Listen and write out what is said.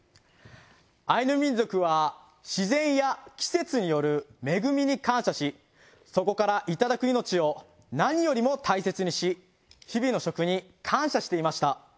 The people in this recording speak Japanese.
アイヌ民族は自然や季節による恵みに感謝しそこからいただく命を何よりも大切にし日々の食に感謝していました。